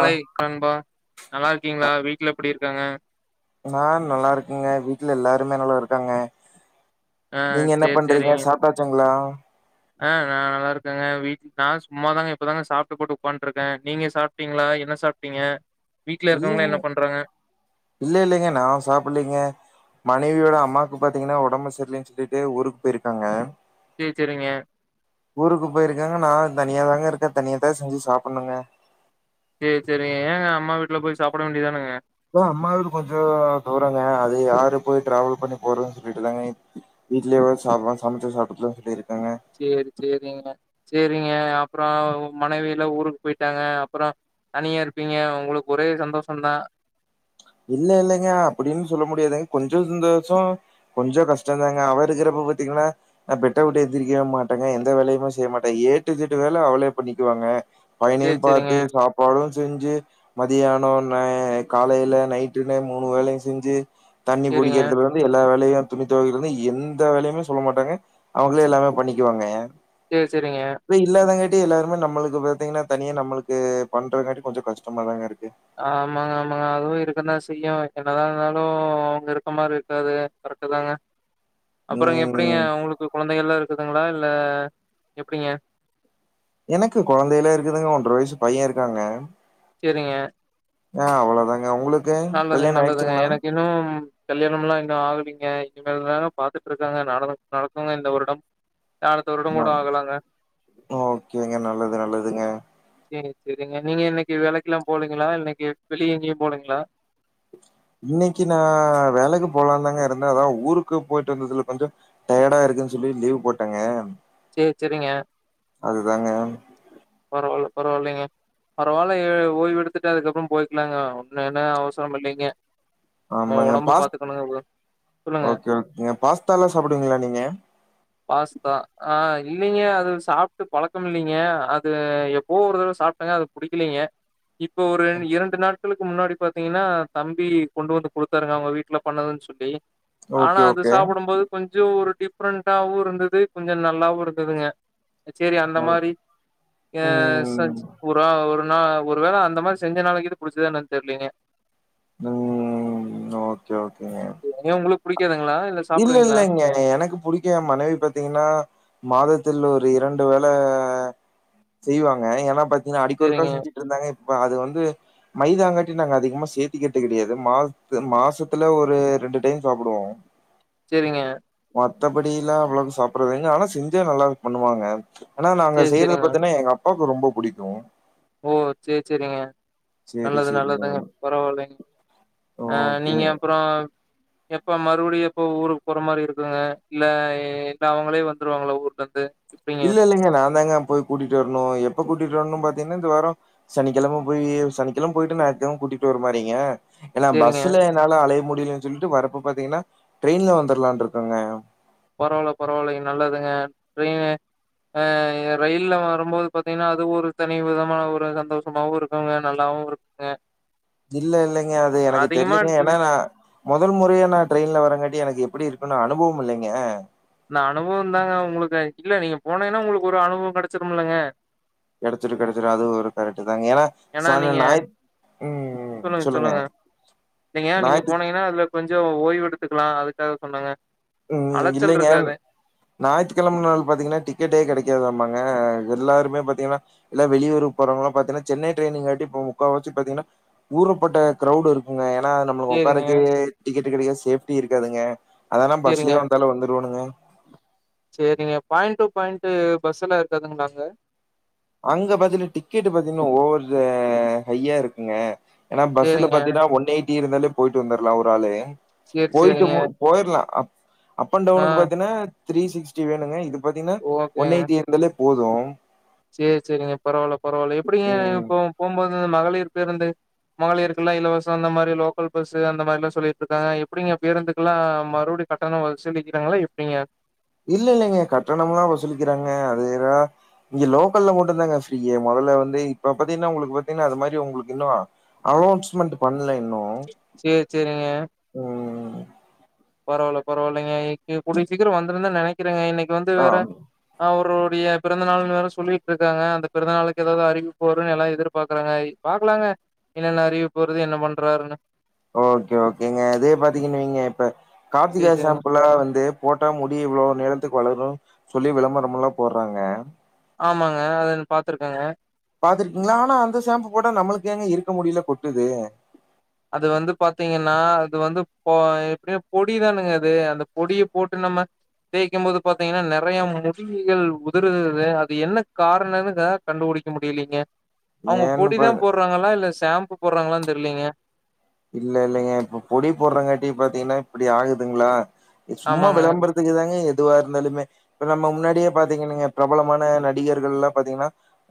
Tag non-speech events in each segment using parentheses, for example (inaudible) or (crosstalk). ஆ காண்பா நல்லாருக்கீங்ளா வீட்ல எப்டி இருக்காங்க நா நல்லாருக்கேங்க வீட்ல எல்லாருமே நல்லாருக்காங்க ஆ நீங்க என்ன சேரி பண்றீங்க சேரிங்க சாப்ட்டாச்சுங்களா ஆ நா நல்லாருக்கங்க வீ்ட் நா சும்மா தாங்க இப்பதாங்க சாப்ட்டு போட்டு உக்கான்டருக்கே நீங்க சாப் ப்ட்டீங்ளா என்ன சாப்ட்டீங்க வீட்ல இருக்கவங்களா இல்லங்க என்ன பண்றாங்க இல்ல இல்லேங்க நா சாப்பலங்க மனைவியோட அம்மாக்கு பாத்தீங்கனா ஒடம்பு சரில்லன் சொல்லிட்டு ஊருக்குபோயிருக்காங்க சேர் செரிங்க ஊருக்கு போயிருக்காங்க நா தனியா தாங்க இருக்கே தனியா தா செஞ்சு சாப்பின்னுங்க சேர் சேரிங்க ஏங்க அம்மா வீட்ல போய் சாப்புட வேண்டியதானெங்க (unintelligible) அம்மா வீடு கொஞ்சோ தூரொங்க அது யாரு போய் ட்ராவல் பண்ணி போறதுன் சொல்லிட்டு தாங்க இ வீட்லயே (unintelligible) சாப்புலா சமச்சு சாப்ட்டுக்லா சொல்லி இருக்கேங்க சேரி சேரிங்க சேரிங்க அப்றோ மனைவிலா ஊருக்கு போயிட்டாங்க அப்றோ தனியா இருப்பீங்க உங்களுக்கு ஒரே சந்தோஷந்தா இல்ல இல்லங்க அப்டின் சொல்ல முடியாதுங்க கொஞ்சோ சந்தோஷோ கொஞ்சோ கஷ்டந்தாங்க அவ இருக்கிறப்ப பாத்தீங்னா நா பெட்ட விட்டு எந்திரிக்கவே மாட்டேங்க எந்த வேலையுமே செய்ய மாட்டே ஏ டூ ஜட்டு வேல அவளே பண்ணிக்குவாங்க சேரி பையனையும் சேரிங்க பாத்து சாப்பாடு செஞ்சு மதியானோ நை காலைல நைட்டுனு மூனு வேளையு செஞ்சு தண்ணி சேரிங்க புடிக்கிறதுல ந்து எல்லா வேலையு துணி தொவக்கிறதுலந்து எந்த வேலையுமே சொல்ல மாட்டாங்க அவுங்களே எல்லாமே பண்ணிக்குவாங்க சேரி சேரிங்க அவ இல்லாதங்காட்டி எல்லாருமே நம்மளுக்கு பாத்தீங்கன்னா தனியா நம்மளுக்கு பண்றங்காட்டி கொஞ்சோ கஷ்டமா தாங்க இருக்கு ஆமாங்க ஆமாங்க அதுவு இருக்க தா செய்யு என்ன தா இருந்தாலு அவுங்க இருக்கற மாரி இருக்காது கரெக்ட்டு தாங்க அப்பறங்க ம் எப்டிங்க உங்களுக்கு குழந்தைள்கள்லா இருக்குதுங்ளா இல்ல எப்டிங்க எனக்கு கொழந்தையெல்லா இருக்குதுங்க ஒன்ற வயசுப் பைய இருக்காங்க செரிங்க ஆ அவ்வளோதாங்க. உங்களுக்கு? நல்லதுங்க கல்யாணம் நல்லதுங்க ஆயிடுச்சுங்களா? எனக்கு இன்னும் கல்யாணம்லா இன்னு ஆகலீங்க இனிமேல்தாங்க பாத்துட்டு இருக்காங்க (unintelligible) நடக்குங்க இந்த வருடம் அடுத்த வருடம் நா கூட ஆகலாங்க. ஓக்கேங்க நல்லது நல்லதுங்க செரி செரிங்க நீங்க இன்னிக்கு வேலைக்லா போலங்ளா இன்னைக்கு வெளிய எங்கயு போலங்ளா இன்னைக்கு நா வேலைக்கு போலான்ந்தாங்க இருந்தே அதா ஊருக்கு போயிட்டு வந்ததுல கொஞ்சோ டயடா இருக்குன் சொல்லி லீவ் போட்டங்க சேர் செரிங்க பரவால பரவால்லைங்க பரவால்ல எ ஓய்வு எடுத்துட்டு அதுக்கப்றோ போய்க்லாங்க ஒன்னு என்ன அவசரம் இல்லைங்க நம்ம ஆமாங்க உடம்ப பாஸ் பாத்துக்கணுங்க. சொல்லுங்க. ஓக்கே ஓக்கேங்க பாஸ்தால்லா சாப்டுவிங்ளா நீங்க பாஸ்தா ஆ இல்லைங்க அது சாப்ட்டு பழக்கம் இல்லிங்க அது எப்போ ஒரு தடவ சாப்ட்டங்க அது புடிக்கலிங்க இப்ப ஒரு எ இரண்டு நாட் க்களுக்கு முன்னாடி பாத்தீங்னா தம்பி கொண்டு வந்து குடுத்தாருங்க அவுங்க வீட்ல பண்ணதுன் சொல்லி ஓகே ஆனா அது ஓகே. சாப்டும் போது கொஞ்சோ ஒரு டிஃப்ரெண்டாவு இருந்தது கொஞ்சோ நல்லாவு இருந்ததுங்க சேரி அந்த நல் மாரி அ ம். சச் வுறா ஒரு நா ஒரு வேள அந்த மாரி செஞ்சனால கீது புடுச்சதா என்னன் தெர்லங்கே ம் ஓக்கே ஓக்கேங்க ஏன் உங்களுக்கு அ புடிக்காதுங்களா? இல்ல சாப்பிடுவீங்களா? இல்லங்க எனக்கு புடிக்க மனைவி பாத்தீங்னா மாதத்தில் ஒரு இரண்டு வேள செய்வாங்க ஏன்னா பாத் இங்க அடிக்க ஒருக்கா சரிங்க, செஞ்சுட்டு இருந்தாங்க இப்ப அது வந்து மைதாங்காட்டி நாங்க அதிகமா சேத்திகுறது கெடையாது மா மாசத்துல ஒரு ரெண்டு டைம் சாப்புடுவோ சேரிங்க மத்தபடில்லா அவ்ளோவு சாப்புட்றதுங்க ஆனா செஞ்சா நல்லா பண்ணுவாங்க ஆனா நாங்க சரி, செய்றது சரிங்க. பத்தீன்னா எங்க அப்பாவுக்கு ரொம்ப புடிக்கு ஓ சே செரிங்க சேரி நல்லது சேரிங்க நல்லதுங்க பரவாயில்லைங்க ஆ நீங்க ஓகேங்க அப்றோ எப்போ மறுபடியு எப்போ ஊருக்கு போற மாரி இருக்குங்க இல்ல இல்ல அவுங்களே வந்துருவாங்கள ஊர்ல இருந்து எப்டிங்க இல்ல இல்லங்க நா தாங்க போய் கூடிட்டி வர்ணு எப்ப கூட்டிட்டு வரணு பாத்தீங்கன்னா இந்த வாரோ சனிக்கிழம போய் சனிக்கிழம் போயிட்டு ஞாயித்கிழம கூட்டிட்டு வர மாறிங்க ஏன்னா சேரிங்க பஸ்சுல என்னால அலைய முடியலன் சொல்ட்டு வரப்ப பாத்தீங்கன்னா ட்ரெயின்ல வந்துரலான் இருக்கங்க பரவால்ல பரவால்லங்க நல்லதுங்க ட்ரெயினு ஆ ரயில்ல வரும்போது பாத்தீங்னா அது ஒரு தனி விதமான ஒரு சந்தோஷமாவு இருக்குங்க நல்லாவு இரு அ இல்ல இல்லைங்க அது எனக்கு தெரிலங்க ஏன்னா நா முதல் முறையா நா ட்ரெயின்ல வரங்காட்டி எனக்கு எப்டி இருக்குனு அனுபவம் இல்லைங்க இந்த அனுபவொ தாங்க உங்களுக்கு இல்ல நீங்க போனீங்கன்னா உங்களுக்கு ஒரு அனுபவம் கெடைச்சிருமில்லங்க கெடச்சிரு கெடச்சிரு அதுவு ஒரு கரெக்ட்டு தாங்க ஏன்னா ஏன்னா சனி, நீங்க ஞாயித் சொல்லுங்க சொல்லுங்க இல்லைங்க நீங்க ஞாயித்து போனீங்கன்னா அதுல கொஞ்சோ ஓய்வு எடுத்துக்கலா அதுக்காக சொன்னேங்க ம் இல்லைங்க ஞாயித்துக்கெழம நாள் பாத்தீங்கன்னா டிக்கெட்டே கெடைக்காதாம்மாங்க எல்லாருமே பாத்தீங்கன்னா எல்லா வெளியூர்க்கு போறவங்களா பாத்தீங்னா சென்னை ட்ரெயின் இல்லாட்டி இப்போ முக்கா வாசி பாத்தீங்கன்னா ஊருப்பட்ட கரவுடு இருக்குங்க ஏன்னா நம்மளுக்கு சேரிங்க உக்காரக்கே டிக்கெட்டு கெடைக்க சேஃப்டி இருக்காதுங்க அதனா சேரிங்க ச்சிலியோ வந்தாலு வந்துருவணுங்க சேரிங்க பாயிண்ட் டு பாயிண்ட்டு பஸ் எல்லா இருக்காதுங்களாங்க அங்க பாத்தினா டிக்கெட் பாத்தீங்கன்னா ஓவரு ஹையா இருக்குங்க ஏன்னா பஸ்ல சேரிங்க. பாத்தீங்கன்னா ஒன் எயிட்டி இருந்தாலே போயிட்டு வந்துட்லா ஒரு ஆளு சேரி, போயிட்டு சேரிங்க. மு போயிரலா அப் அண்ட் ஆ. டவுனுக்கு பாத்தீங்கன்னா த்ரீ சிக்ஸ்டி வேணுங்க இது பாத்தீங்கன்னா ஒன் ஓகேங்க. எயிட்டி இ ருந்தாலே போது சேரி சேரிங்க பரவால்ல பரவால்ல எப்டிங்க ம் இப்போ போம்போது மகளிர் பேருந்து மகளிர்குல்லா இலவசொ அந்த மாரி லோக்கல் பஸ்ஸு அந்த மாரிலா சொல்லிட்டு இருக்காங்க எப்டிங்க பேருந்துக்குல்லா மறுபடியு கட்டண வசூலிக்கிறாங்களா எப்டிங்க இல்ல இல்லங்க கட்டணம்ல்லா வசூலிக்கிறாங்க அது எதா இங்க லோக்கல்ல மட்டு தாங்க ஃப்ரீயு மெதல்ல இருந்து இப்ப பாத்தீங்கன்னா உங்களுக்கு பாத்தீங்கன்னா அது மாரி உங்களுக்கு இன்னு அனௌன்ஸ்மெண்ட் பண்ல இன்னு சேரி சேரிங்க ம் பரவாயில்ல பரவாயில்லங்க இக்கு கூடிய சீக்கிரொ வந்துருனு தா நெனைக்கிறேங்க இன்னைக்கு வந்து ஆ வேற அவருடைய பிறந்தநாள்னு வேற சொல்லிட்டு இருக்காங்க அந்த பிறந்தநாளுக்கு ஏதாவது அறிவிப்பு வருனு எல்லா எதிர்பாக்குறாங்க பாக்கலாங்க என்னென்ன அறிவிப்பு வருது என்ன பண்றாருன்னு ஓகே ஓகேங்க இதே பாத்தீங்கன்னு வைங்க இப்ப கார்த்திகா சேரி, சேரிங்க. ஷாம்புலா வந்து போட்டா முடி இவ்ளோ நீளத்துக்கு வளரு சொல்லி விளம்பரம் எல்லா போடுறாங்க ஆமாங்க அதுன் பாத்துருக்கங்க பாத்துருக்கீங்களா ஆனா அந்த ஷாம்பு போட்டா நம்மளுக்கு ஏங்க இருக்க முடியெல்லா கொட்டுது அது வந்து பாத்தீங்கன்னா அது வந்து பொ எப்டியு பொடிதானுங்க அது அந்த பொடிய போட்டு நம்ம தேய்க்கும் போது பாத்தீங்கின்னா நெறய முடிகள் உதுருது அது என்ன காரணன்னுக்க கண்டுபுடிக்க முடியலேங்க அவுங்க ஏன்னு பொட்டி பா தா போடுறாங்களா இல்ல ஷாம்பு போடுறாங்களா தெர்லேங்க இல்ல இல்லைங்க இப்ப பொடி போடுறங் காட்டி பாத்தீங்கன்னா இப்டி ஆகுதுங்களா சும்மா ஆமாங்க வெளம்பரத் க்குதாங்க எதுவா இருந்தாலுமே இப்ப நம்ம முன்னாடியே பாத்தீங்கின்னீங்க பிரபலமான நடிகர்கள் எல்லா பாத்தீங்ன்னா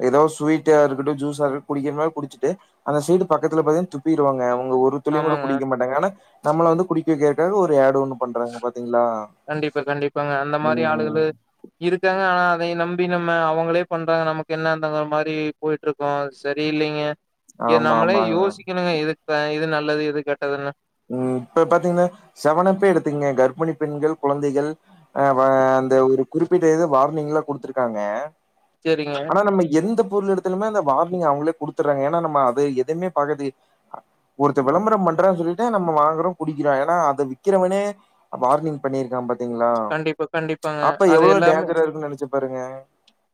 ஏதோ ஸ்வீட்டா இருக்கட்டு ஜூஸா இருக்கட்டு குடிக்கிறன குடிச்சுட்டு அந்த சைடு பக்கத்துல பாத்தா துப்பிடுவாங்க அவுங்க ஊர் ஒத் துளி கூட ஆமாங்க குடிக்க மாட்டாங்க ஆனா நம்மள வந்து குடிக்க வைக்கிறதுக்காக ஒரு ஏடு ஒண்ணு பண்றாங்க பாத்தீங்களா கண்டிப்பா கண்டிப்பாங்க அந்த மாரி ம் ஆளுகளு இருக்காங்க ஆனா அதையு நம்பி நம்ம அவுங்களே பண்றாங்க நமக்கு என்னந்தங்கிற மாரி போயிட்டு இருக்கோ சரில்லைங்க இத ஆமா நம்மளே ஆமாங்க யோசிக்கணுங்க எது ப்ப நல்லது எது கெட்டதுன்னு ம் இப்ப பாத்தீங்ன்னா செவனப்பே எடுத்துக்குங்க கர்ப்பிணி பெண்கள் கொழந்தைகள் அ இப்ப அந்த ஒரு குறிப்பிட்ட ஏதோ வார்னிங்லா குடுத்துருக்காங்க சேரிங்க ஆனா நம்ம எந்த பொருள் எடுத்தாலுமே அந்த வார்னிங் அவங்களே குடுத்துடுறாங்க ஏன்னா நம்ம அது எதையுமே பாக்குறது ஒருத்த விளம்பர பண்றா சொல்லிதா நம்ம வாங்குறோ குடிக்கிறாங்க ஏன்னா அத விக்கிறவனே பார்கிங் பண்ணியிருக்கா பாத்தீங்களா கண்டிப்பா கண்டிப்பாங்க அப்ப அது எவ்ளோ டேஞ்சரா இருக்குன் நெனச்சு பாருங்க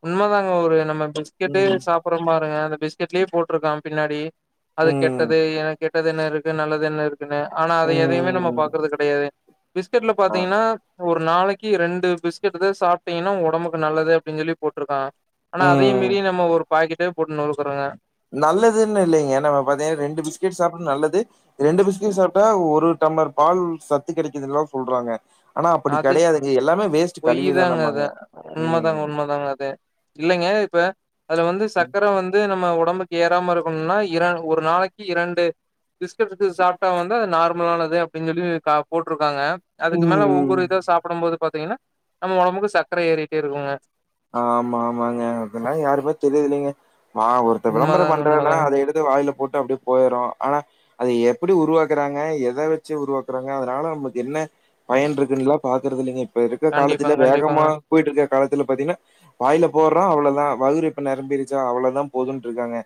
உண்ம தாங்க ஒரு நம்ம பிஸ்கெட்டே ம் சாப் அப்புறம் பாருங்க அந்த பிஸ்கெட்லயே போட்டுருக்கா பின்னாடி அது ம் கெட்டது ஏ கெட்டதுன்னு இரு எது நல்லது என்ன இருக்குன்னு ஆனா அத எதையுமே நம்ம ம் பாக்குறது கெடையாது பிஸ்கட்ல ஆ பாத்தீங்கின்னா ஒரு நாளைக்கி ரெண்டு பிஸ்கெட்டு தா சாப்ட்டீங்கன்னா ஒடம்புக்கு நல்லது அப்டின் சொல்லி போட்டுருக்கா ஆனா அதையு ம் மீறி நம்ம ஒரு பாக்கெட்டே போட்டு நெருக்குறோங்க நல்லதுன்ல்லா இல்லேங்க நம்ம பாத்தீங் ரெண்டு பிஸ்கெட் சாப்ன்னு நல்லது ரெண்டு பிஸ்கட் சாப்ட்டா ஒரு டம்மர் பால் சத்து கெடைக்கிதுன்லா சொல்றாங்க ஆனா அப்டி அது கெடையாதுங்க எல்லாமே வேஸ்ட் கழுவிதா நம்மாங்க ம் அதாங்க அதே இல்லேங்க இப்ப அதுல வந்து சக்கர வந்து நம்ம உடம்புக்கு ஏறாம இருக்கணும்னா இர ஒரு நாளைக்கி இரண்டு பிஸ்கட் டுத்து சாப்ட்டா வந்து அது நார்மலானது அப்டின் சொல்லி அ போட்டுருக்காங்க அதுக்கு மேல ம் ம் ஒவ்வொரு இதோ சாப்புடும் போது பாத்தீங்கென்னா நம்ம ஒடம்புக்கு சக்கரை ஏறிட்டே இருக்குங்க ஆமா ஆமாங்க இதல யாருக்மே தெரியல்லேங்க வா ஒருத்த விளம்பரோ உண்மதாங்க பண்றேன்றா உண்மதாங்க அத எடுத் து வாயில போட்டு அப்டியே போயிருவா ஆனா அது எப்டி உருவாக்குறாங்க எத வெச்சு உருவாக்குறாங்க அதனால நமக்கு என்ன பயன்று இருக்குன்னுல்லா பாக்குறது இல்லேங்க இப்ப இருக்க காலத்துல கண்டிப்பாங்க கண்டிப்பாங்க வேகமா போயிட்டு இருக்க காலத்துல பாத்தீங்ன்னா வாய்ல போட்றோ அவ்ளோதா வகுறு இப்ப நெரம்பிருச்சா அவ்ளோதா போதுன்டுருக்காங்க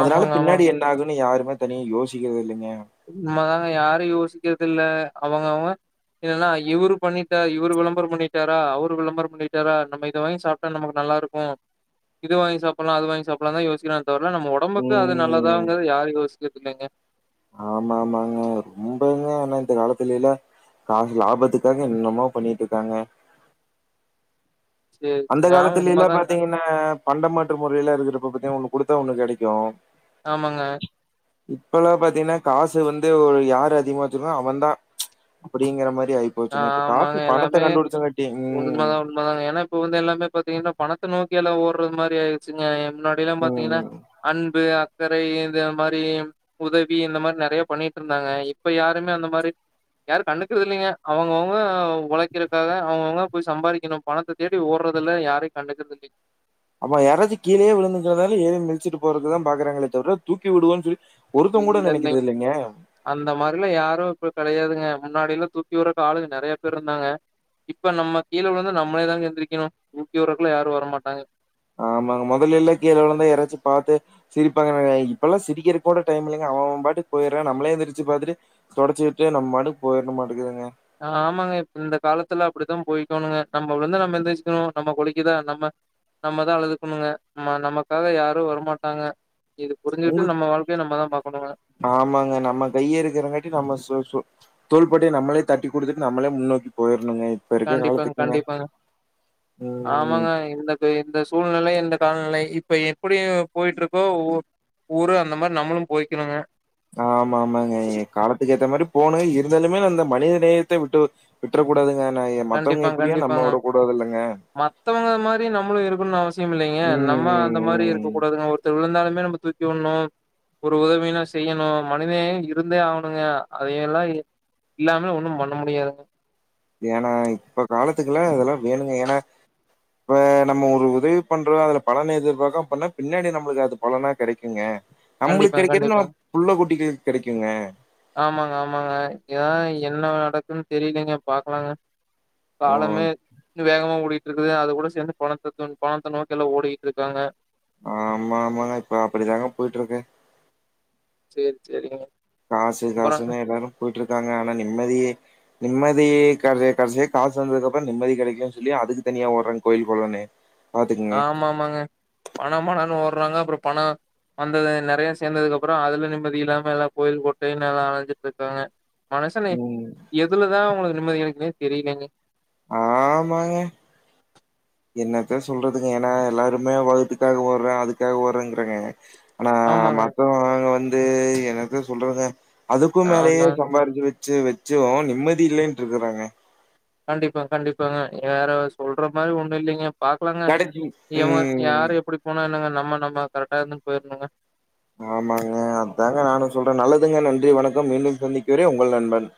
அதனால ஆமாங்க பின்னாடி ஆமாங்க என்ன ஆகுன்னு யாருமே தனிய யோசிக்கறது இல்லங்க நம்மதாங்க யாரு யோசிக்கறது இல்ல அவங்கவங்க இல்லன்னா இவுரு பண்ணிட்டா இவுரு விளம்பரோ பண்ணிட்டாரா அவரு விளம்பரோபண்ணிட்டாரா நம்ம இத வாங்கி சாப் ட்டா நமக்கு நல்லாருக்கு இது வாங்கி சாப்புட்லா அது வாங்கி சாப்புட்லா தா யோசிக்கிறா தவர நம்ம ஒடம்புக்கு அது ம். நல்லதாங்கறது யாரு யோசிக்கறது இல்லங்க ஆமா ஆமாங்க ரொம்பங்க ஆனா இந்த காலத்துலல்ல லாப லாபத்துக்காக என்னனமோ பண்ணிட்டு இருக்காங்க சேரி அந்த சேரி ஆமா காலத்துலேல்லா உண்மதாங்க பாத்தீங்ன்னா பண்டமாற்று முறைல்லா இருக்கு இப்ப பாத்தா ஒன்னு குடுத்தா ஒன்னு கெடைக்கு ஆமாங்க இப்பல்லா பாத்தீங்ன்னா காசு வந்து ஒ யாரு அதிகமா வச்சுருக்கோ அவந்தா அப்டிங்கிற மாரி ஆயிப்போச்சுங்க இப்ப ஆமாங்க காச்சு பணத்த கண்டுபுடுச்சங்காட்டி ம் ம்மா தாங்க ஏன்னா இப்ப வந்து எல்லாமே பாத்தீங்கன்னா பணத்த நோக்கி எல்லாமே ஓட்றது மாரி ஆய்ருச்சுங்க முன்னாடிலா ம் பாத்தீங்கன்னா ம் அன்பு சர்க்கரை இந்த மாரி உதவி இந்த மாரி நறையா பண்ணிட்டு இருந்தாங்க இப்ப யாருமே அந்த மாரி யாரு கண்டுக்குறது இல்லைங்க அவங்கவுங்க உழைக்கறக்காக அவங்கவுங்க போய் சம்பாரிக்கணு பணத்த தேடி ஓடுறதுல யாரயு கண்டுக்கறது இல்ல அப்ப யாராச்சி கீழயே விழுந்துங்கறதால ஏறி மிச்சிட்டு போறதுதா பாக்குறாங்களே தவிர தூக்கி விடுவோன் சொல்லி ஒருத்தங்கூட நெனைக்கிறது இல்லைங்க அந்த மாரிலா யாரு இப்ப கெடையாதுங்க முன்னாடில்லா தூக்கி ஊற ஆளு நறைய பேர் இருந்தாங்க இப்ப நம்ம கீழ விழுந்தா நம்மளே தாங்க எந்திரிக்கணு தூக்கிவிட்றகெல்லா யாரு வரமாட்டாங்க ஆமாங்க மொதல்ல எல்லா கீழ விழுந்தா யாராச்சி பாத்து சிரிபாங்க இப்பெல்லா சிரிக்கறக்கூட டைம் இல்லங்க அவ அவ பாட்டுக்கு போய்ட்றா நம்ளே எந்திரிச்சு பாத்துட்டு தொடச்சு விட்டு நம்ம மாட்டுக்கு போய்ர்டணுமாட்டேக்குதுங்க ஆமாங்க இப் இந்த காலத்துல அப்டிதா போய்க்கோணுங்க நம்ம விழுந்தா நம்ம எந்துச்சிக்கணு நம்ம குழிக்குதா நம்ம நம்மதா அழுதுக்கணுங்க ஆமா நமக்காக யாரு வரமாட்டாங்க இது புரிஞ்சிட்டு உங்க நம்ம வாழ்க்கைய நம்ம தா பாக்கணுங்க ஆமாங்க நம்ம கைய்யே இருக்கறங்காட்டி நம்ம சோ சோ தோள்பட்டைய நம்ளே தட்டி குடுத்துட்டு நம்மளே முன்னோக்கி போயிறணுங்க கண்டிப்பாங் கண்டிப்பாங்க ம் ஆமாங்க இந்த இந்த சூழ்நிலை இந்த காலநிலை இப்ப எப்டி போயிட்டு இருக்கோ உ ஊரு அந்த மாரி நம்முளு போய்கக்கணுங்க ஆமா ஆமாங்க காலத்துக்கு ஏத்த மாரி போணு இருந்தாலுமே அந்த மனிதநேயத்த விட்டு விட்றக்கூடாதுங்க ந ஏ மத்தவங்க எப்டியோ நம்ம வுட கூடாதுல்லங்க மத்தவங்களமாரி நம்ளு இருக்கணும்னு அவசியம் இல்லைங்க நம்ம அந்த மாரி ம் இருக்கக்கடாதுங்க ஒருத்தர் விழுந்தாலுமே நம்ம தூக்கி விட்ணும் ஒரு உதவினா செய்யணு மனிநேயோ இருந்தே ஆகணுங்க அதயெல்லா இல்லாமே ஒன்னு பண்ண முடியாதுங்க ஏனா இப்ப காலத்துக்கெல்லா இதெல்லா வேணுங்க ஏனா இப்ப நம்ம ஒரு உதவி பண்றோ அதுல பலன எதிர்ப்க்காம பண்ணா பின்னாடி நம்ளுக்கு அது பலனா கெடைக்குங்க நம்ளுக்கு கண்டிப்பாங்க, கெடைக்கறது நம்ம கண்டிப்பாங்க. புள்ள குட்டிங்களுக்கு கெடைக்குங்க ஆமாங்க ஆமாங்க இதான் என்ன நடக்குன்னு தெரிலங்க பாக்கலாங்க ஓ காலமே வேகமா கூடி இருக்குது அது கூட சேந்து பணத்தை தொ நோக்கி ஓடிக்கிட்டு இருக்காங்க ஆமா ஆமாங்க இப்ப அப்டிதாங்க போயிட்டுருக்கு சேர் செரிங்க காசு காசுன்னா எல்லாரு போயிட்டு இருக்காங்க ஆனா நிம்மதியே நிம்மதிகாகவே கடசில காசு வந்ததுக்கு அப்பறோ நிம்மதி கெடைக்கும் சொல்லி அதுக்கு தனியா ஓடுறே கோயில் கொள்ளனு ஆ ஆமா ஆமாங்க பணம் பணன்னு ஒடுறாங்க அப்பறம் பணம் வந்தது நெறைய சேந்ததுக்கு அப்பறோ அதுல நிம்மதி இல்லாம எல்லா கோயில் கோட்டைன்னு எல்லா அழஞ்சிட்டு இருக்காங்க மனசன்ல ம் எதுலதா ஒங்களுக்கு நிம்மதி கெடைக்கும்னு தெரியலங்க ஆமாங்க என்னத்தா சொல்றதுங்க ஏன்னா எல்லாருமே வவுத்துகாக ஓடுறேன் அதுக்காக ஓடுறேன்றாங்க ஆமா ஆமாங்க, மத்தங்க அங்க வந்து என்னத சொல்றதுங்க அதுக்கும் மேலயே ஆமா. சம்பாதிச்சு வச்சு வச்சு வச்சோம் நிம்மதி இல்லைன்ட் இருக்குறாங்க கண்டிப்பா கண்டிப்பாங்க வேற சொல்ற மாரி ஒண்ணு இல்லைங்க பாக்கலாங்க கடைசி எவன் ம் யாரு எப்டி போனா என்னங்க நம்ம நம்ம கரெக்டா இருந்து போய்ருணுங்க ஆமாங்க அதாங்க நானு சொல்றே நல்லதுங்க நன்றி வணக்கம் மீண்டும் சந்திக்கிறே உங்கள் நண்பன்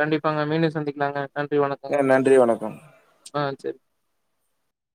கண்டிப்பாங்க மீண்டும் சந்திக்கலாங்க நன்றி வணக்கங்க அ நன்றி வணக்கம் ஆ சேரி